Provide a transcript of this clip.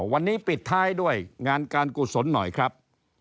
วันนี้ปิดท้ายด้วยงานการกุศลหน่อยครับ